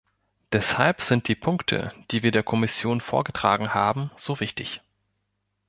Deshalb sind die Punkte, die wir der Kommission vorgetragen haben, so wichtig.